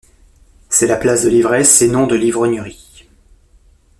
C’est la place de l’ivresse et non de l’ivrognerie.